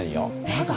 まだ？